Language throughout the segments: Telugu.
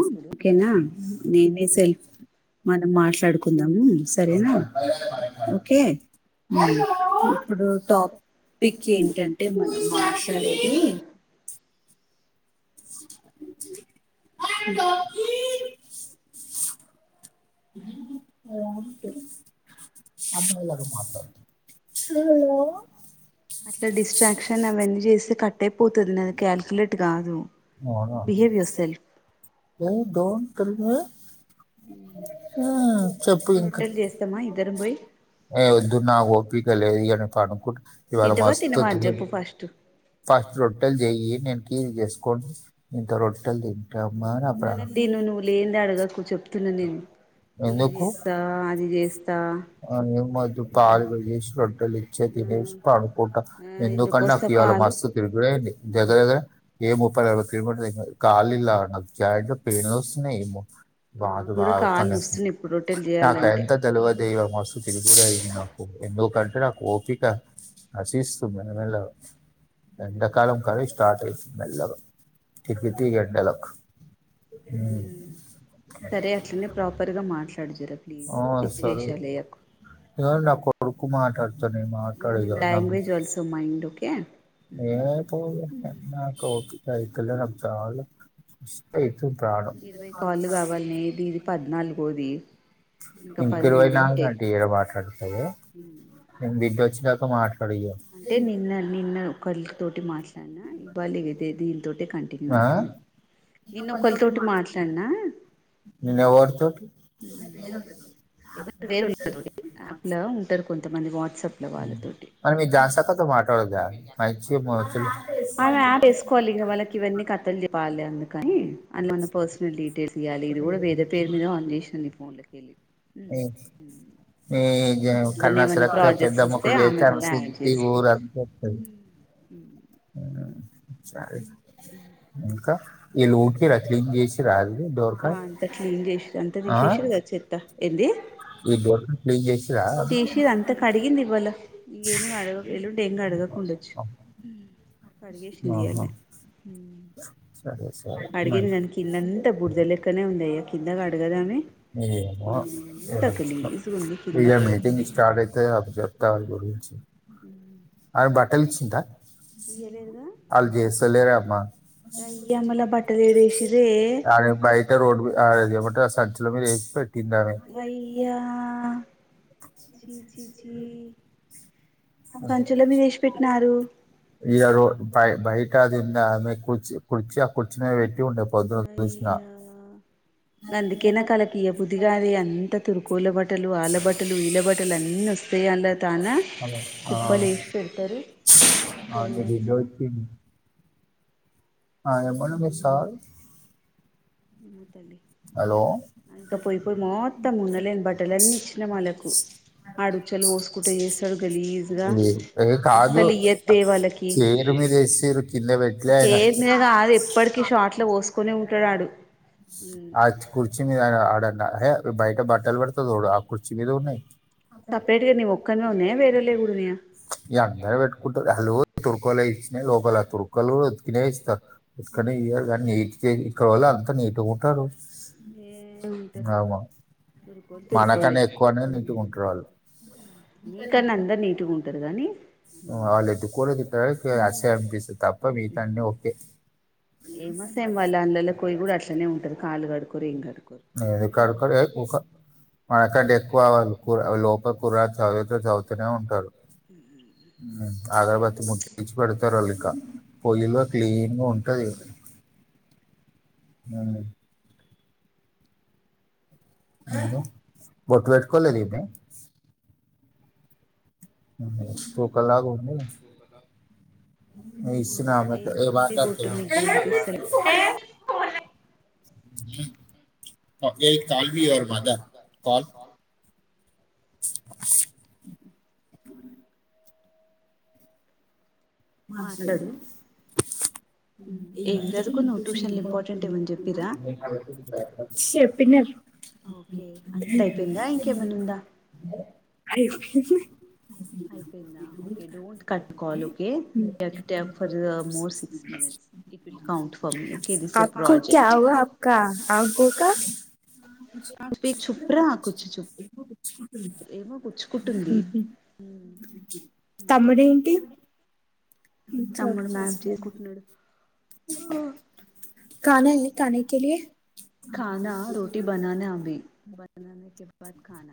ఓకేనా నేనే సెల్ఫ్ [unintelligible] మనం మాట్లాడుకుందాము సరేన సరేనా ఓకే ఒకే హు ఇప్పుడు టాప్ టాపిక్ పిక్ ఏంటంటే మనం మాట్లాడేది మసరేది కా [inaudible] [unintelligible] అట్లా డిస్ట్రాక్షన్ అవన్నీ చేస్తే కట్ అయిపోతుంది నాది కాలిక్యలేట్ కాదు అవునా బిహేవ్ యువర్ సెల్ఫ్ [unintelligible] ఉమ్, చెప్పు ఇంకా రొట్టెల్ చేస్తామ ఇద్దరు పోయి ఏ వద్దు నా [unintelligible] లేదుగాని పనుకు ఇవాళ తింటవా మస్తు తినవా అని చెప్పు ఫస్ట్ ఫస్ట్ రొట్టెలు చెయ్యి నేను చేసుకోండి ఇంత రొట్టెలు తి ఉన్నది దిను నువ్వు లేనిది అడగకు చెప్తున నేను కీర్ చేస్తావ అది చేస్తావ [unintelligible] రొట్టెల్ చెయ్ వచ్చే తినేసి పండుకుంట ఆ ఎందుకు ఎందుకంటని నాకు వస్తా ఇవాళ పాలు మస్తు తిరుగుడయింది దగ్గ దగ్గర ఏ [unintelligible] బాగ నాకు కూడా కాళ్ళు లాగుతానాయ్ నొస్తున్నాయి ఇప్పుడు రొట్టెలు నాకి చేయాలంటే అదంతా తెలవ మాస్తు తిరుగుడు అయ్యింది నాకు ఎందు [unintelligible] అంటే నా ఓపిక నశిస్తూ మెల మెల్లగా ఎడాకాలం కలి స్టార్ట్ అయి [unintelligible] సరే అట్లనే ప్రాపర్ గా మా ట్లాడు జరా ప్లీస్ ఆ, పిచ్చి సరే వేషాలు వెయ్యకు నా కొడుకు మాట్డుతనే ఈవెన్ మాట్లాడగా నా లాంగ్వేజ్ ఆల్సో మైండ్ ఓకే [inaudible] ఇరవై కాళ్లు కావలీ ఇది ఇది పద్నాలుగోది ఇంకా ఇంక ఇరవై పదమూడు నాలుగు ఉంటాయి గంటే ఇడ మాట్లాడుతంది నేను బిధ్య వచ్చినాక మాట్లా అంటే నిన్న నిన్న ఒక్కల్ తోటి మ ఇ బల్లి ఇదతే దీన్ తోటే కంటన్యూ ఆ? అయితు నిన్న ఒక్కల్తోటి మాట్లాడినా నిన్న ఎవర్ [unintelligible] ఆప్ లో ఉంటారు కొంతమంది వా [unintelligible] ఆయాడ్ చేసుకోవాలి ఇంక మనకి ఇవన్నీ కథలు చెప్పాలి అందుకని అని మన పర్సనల్ డీటెయిల్స్ ఇవాలి ఇది కూడా వేరే పేరు మీద ఆన్ చేసింది ఈ ఫోన్లకెళ్ళి మీ చిన్న కన్నా ఏమన్న సురక్క పెద్ద ప్రాజెక్ట్స్ వస్తే మొక్కలు ఆమె చేస్తే కూడ శుద్ధి చేస్ ఊరంతా వత్తది ఉ [inaudible] ఆ అంత క్లీన్ చేసి అంత ఆ విశేషర్గాద చెత్త ఏంది ఈ డోర్కాయ్ క్లీన్ చేసిరా అది. తీసి అంత కడిగింది ఇవాళ [unintelligible] కడిగేసింది ఆహా [unintelligible] సరే సరే [unintelligible] మరి దాని కింద అంతా బుడద లెక్కనే ఉందియ కిందకి అడుగదా ఆమె ఏమో ఏమాం ఉంది కింద ఇక మీటింగ్ స్టార్ట్ అయితే అప్పుడు చెప్తా గురించి ఉమ్ ఆమె బట్టలు ఇచ్చింద ఇయ్యలేదుగ ఆల్ తీసుకెళ్ళర్గ అడ బయిట రోడ్ ఆగ ఎమ్మట సంచుల మీద ఏసి పెట్టు మయ్యా....... చి చి చి ఇగ రో బయట కింద ఆమె కుర్చు కుర్చీ ఆ కుర్చీ మీద పెట్టి ఉండే పొద్దున చూసిన గందికే నాకు ఆళ్ళ కి ఇయ్యబుద్దిగాలే అంత తురుకోళ్ళ బట్టలు ఆళ్ల బట్టలు ఇళ్ల బట్టలు అన్ని వస్తాయి ఇగ అందరి తన్న ఆమె, ఆ, కుప్ప లేసి పెడతారు ఆ, నీ బిడ్డ వచ్చింది ఆ ఎంబడ్నే ఇస్తావా అమ్మ తల్లి ఇంకా పోయిపోయి మొత్తం ఉన్నలేని బట్టలన్నీ ఇచ్చిన వాళ్ళకు ఆడు ఉచ్చలు ఒసుకుంటా చేస్తాడు గలీజ్గా ఏ- ఏ కాదు అస్సలు ఇయద్దే వాళ్ళకి చైర్ మీద ఎసిరు కింద పెట్ సెద్ మీద కాదు ఇప్పటికి షార్ట్ లో ఓసుకొని ఉంటాడాడు ఆర్చ్ కుర్చీ మీద ఆడ హె బయట బట్టల్ పెడతార్ చూడు ఆ కుర్చీ మీద ఉన్నాయ్ సెపరేట్ గా నీ ఒక్కన్నె ఉన్నాయా వేరేళ్ళోయ్ కూడ ఉన్నాయ ఈ అందరు పెట్టుకుంటారు ఆళ్ళు తురకోళ్ళు ఇచ్చినీయే లోపల ఎడ్తురు తురకలు ఉతికినే ఇస్తారు ఛీ ఇక్కడే ఇయాలి కానీ నీట్గా ఇక్కడ వోళ్ళు అంతా నీట్గా ఉంటారు ఏం ఉంటారు ఆమా. తురుకోళ్ళు తురుకోళ్ళే మనకన్నా ఎక్కువనే నీట్గా మ్మ్ ఉంటారు వాళ్ళు నీకన్నా అందరు నీటుగా ఉంటారు గానీ ఆళ్ళు ఎత్తుకోలేదు ఇక్కడ ఎస్ సి ఎం పిసి తప్ప మీగత అన్ని ఓకే ఏమ సేమ్ వాళ్ళు ఆన్లలో కోయ్ కూడా అట్లనే ఉంటారు కాళ్ళు కడుకోరు ఏం కడుకోరు నేను కడుక్కులే ఏ కూకో మనకంటే ఎక్కువవ్వాలి కూర లోపల కూరగయలు తరుగుత తరుగతూనే ఉంటారు ఆగర్ బత్తి మున్ ఇచ్చి పెడతారు ఆళ్ళు క పొలిల్లో క్లీన్గా ఉంటది బొట్లు పెట్టు కోలేదేమే కుక్కలాగా ఉంది ఇచ్చిన దేవత ఆమెకు ఏ ఏంటి బొట్టు మీ మాట్లాడుతుంది గనిపిస్తాలే అమ్మ ఏక్ కాల్వీ యువర్ మదర్ కాల్ మాట్లాడు మాట్లడమ్మా ఏం చదువుకున్నావ్ ట్యూషన్లు ఇంపార్టెంట్ ఏమని చెప్పిరా చెప్పిన ఓకే అంతయిపోయిందా ఇంకేమన్నా ఉందా అయిపోయింది అయిపోయిందా okay don't cut call okay you have to talk for more six minutes it will count for me okay this ఎ ఆప్ కో క్యా ప్రాజెక్ట్ హవు ఆప్ క ఆకోక స్పీక్ చుప్రా కూర్చు చుప్ ఏమో గుచ్చుకుంటుంది మ్ అందుకే తమ్ముడేంటి తమ్ముడు మ్యామ్ చేసుకుంటున్నాడు కాన రోటీ బననా అభి బననా కే పర్ కాన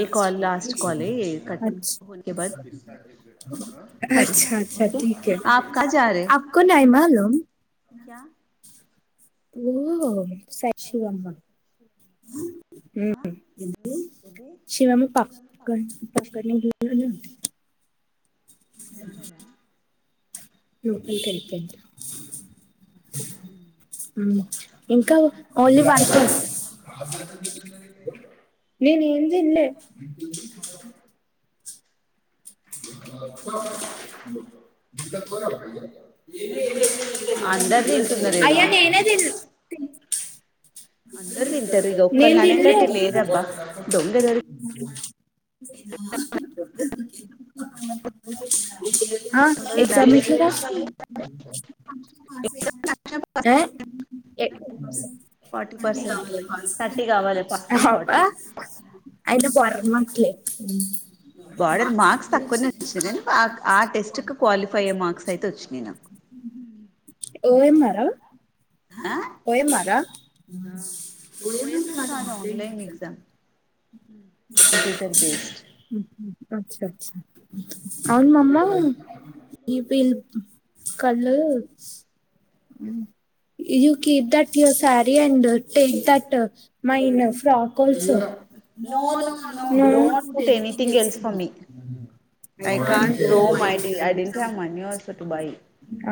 ఈ కాల్ లాస్ట్ కాలే కట్ [unintelligible] ఓకే క్యా నువ్వు సత్ శివమ్మ శివమ్మ పాప్ ఉన్నదా లోపలికెల్లి పోయింది ఉమ్ ఉమ్ ఇంకా ఓన్లీ [unintelligible] నేను ఏం దినలే అందరు తింటున్నారేమో అయ్య నేనే దిన్ [inaudible] అందరు తింటారు ఇక నేన్ ఒక్కళ్ళు తిల్లే అనేటట్టు లేదబ్బా దొంగ దొరి ఆ ఎగ్జాం ఏట్ల రాషినా ఆ ఎ ఫార్టీ పర్సెంట్ థర్టీ కావాలి ఫస్ట్కి ఫార్టీ [unintelligible] అయితే బోర్డర్ మార్క్స్ లే బార్డర్ మార్క్స్ తక్కువనే వచ్చింది కానీ ఆ టెస్ట్ కు క్వాలిఫై అయ్యే మార్క్స్ అయితే వచ్చినాయి నాకు హూ ఓ యం ఆర్ ఆ ఓ యం ఆర్ ఆ ఓ యం ఆర్ కాదు ఆన్లైన్ ఎగ్సాం కంప్యూటర్ బేస్డ్ అచ్చా అచ్చా అవును మామ్మ ఈ పిల్ కళ్ళు ఊ you keep that your sari and take that mine frock also ఊ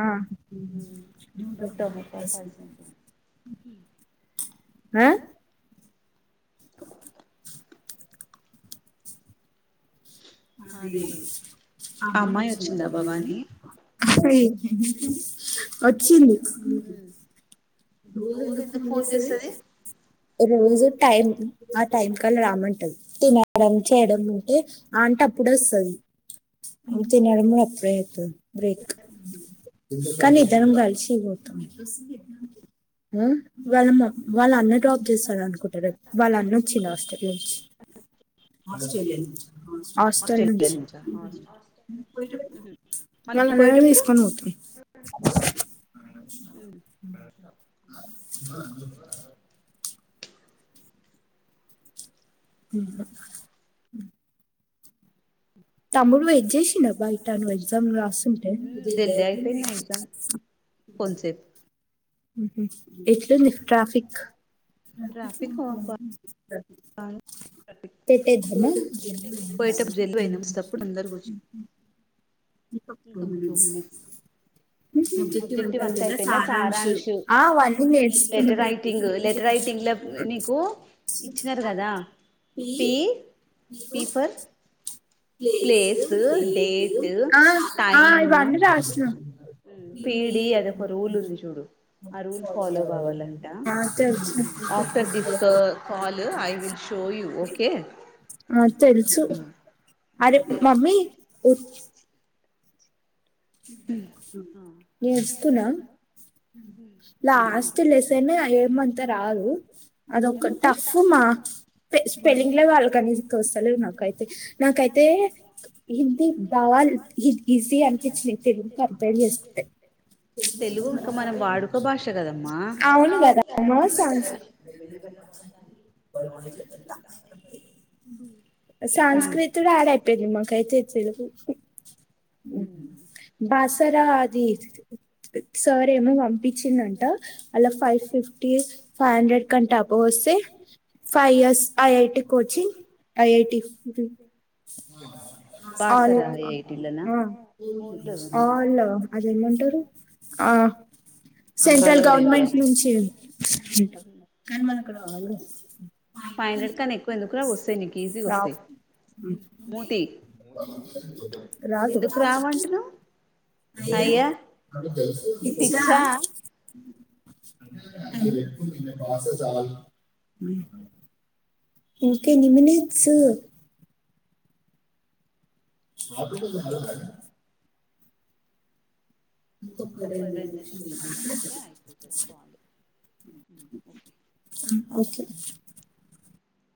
ఆ [unintelligible] హ్మ్ ఆ అది ఆ అమ్మాయి వచ్చింద బన్నీ వచ్చింది మ్మ్. రోజు ఎందుకు ఫోన్ చేస్తది తినడం చేయడం అంటే అంటప్పుడే వస్తది [unintelligible] అప్పుడే అతే బ్రేక్ కానీ ఇద్దరం కలిసి పోతం ఆ వాళ్ళ వాళ్ళ అన్నాగా చేస్తాడనుకుంట రేపు వాళ్ళన్న వచ్చిండు ఆస్ట్రేలియా నుంచి ఆస్ట్రేలియా నుంచా మ్మ్. వాళ్ళ మళ్ళీ అన్నని పోయేటప్పుడు తీసుకొని పోతుంది హ్మ్ హ్మ్ చేసిండు బయట నువ్వు ఎగ్జామ్ రాస్తుంటే దీనిది అయిపోయిందా ఎగ్జామ్ కొంసేపు ఎట్లుంది ట్రాఫిక్ స ట్రాఫిక్ బాగా ట్రాఫిక్ పెట్టేదునా పోయేటప్పుడు జల్దీ పోయినాం వస్తేప్పుడు అందరు కూర్చుని ఇంకొక టూ మినిట్స్ బ్జెక్టివ్ అంతా అయిపో సారాంశు ఆ అవన్నీ లెటర్ నేర్చుకున్నాం రైటింగ్ లెటర్ రైటింగ్ లా నీకు ఇచ్చినారు కదా పీ పీఫర్ ప్లేస్ డేటు ఆ ఆ ఇవన్నీ రాసిన ఉ పిడి అది ఒక్క రూల్ ఉంది చూడు ఆ రూల్ ఫాలో కావాలంట after this call I will show show you okay ఆ తెలుసు అదే అదే మమ్మీ ఉ నేర్చుకున్న లాస్ట్ లెసన్ ఏమంతా రాదు అదొక ఎందుకు టఫ్ మా స్పెల్లింగ్ లో వాళ్ళు కానీస్తలే నాకైతే నాకైతే హిందీ దవా ఇ ఈజీ అనిపచ్చి తెలుగు కంపేర్ చేసుకుంటే తెలుగు ఇంకా మనం వాడుక భాష కదమ్మా అవును దా మా సంగ్ తా సంస్కృతిడు యాడ్ అయిపోయింది మాకైతే తెలుగు ఉ బాసరా బాసింగా అది సార్ ఏమో పంపించిందంట అలా ఫైవ్ ఫిఫ్టీ ఫైవ్ హండ్రెడ్ కంటే అబ్బో వస్ సే five years IIT coaching IIT Basara all ఎయిటీలనా ఆ ఉ ఓన్లో వచ్చింది ఆల్ అదేమంటారు ఆ all central over India government నుంచి ఉంటా కానీ మనకు రాదు ఫైవ్ హండ్రెడ్ కాన ఎక్కువ ఎందుకు రావు వస్తాయి నీకు ఈజీగా రా వస్తాయి మూతి ముతి పలుగుతాది ఎందుకు రావంటున్నావ్ అయ్యా అయ్యో ఇచ్చా అదే అదే పెట్కు నిన్న పాసే చాలు ఉ ఇంకా ఎన్ని మినిట్స్ మా ఇంకొక రెండు నిమిషాలు అయితే అయిపోతది కాల్ ఓకే ఉ ఓకే